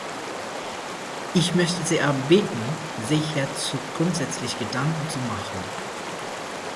Ich möchte Sie aber bitten, sich hierzu grundsätzlich Gedanken zu machen.